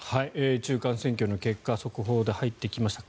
中間選挙の結果速報で入ってきました。